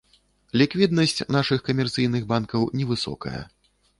Ліквіднасць нашых камерцыйных банкаў невысокая.